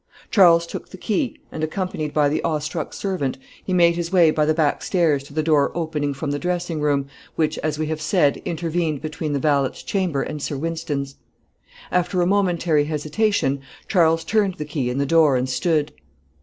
Charles took the key, and, accompanied by the awestruck servant, he made his way by the back stairs to the door opening from the dressing room, which, as we have said, intervened between the valet's chamber and Sir Wynston's. After a momentary hesitation, Charles turned the key in the door, and stood.